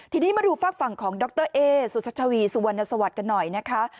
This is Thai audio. ทีนี้มาดูฝากฝั่งของดรเอสุชัชวีสุวรรณสวัสดิ์กันหน่อยนะคะ